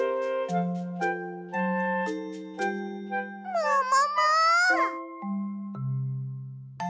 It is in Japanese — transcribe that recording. ももも！